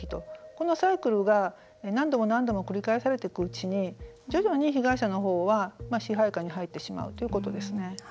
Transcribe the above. このサイクルが、何度も何度も繰り返されていくうちに徐々に被害者の方は、支配下に入ってしまうということですね。